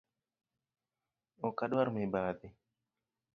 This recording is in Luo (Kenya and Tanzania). Ok adwar mibadhi.